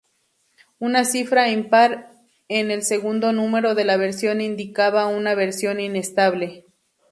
Una cifra impar en el segundo número de la versión indicaba una versión inestable.